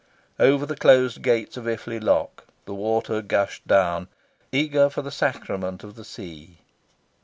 Over the closed gates of Iffley lock, the water gushed down, eager for the sacrament of the sea.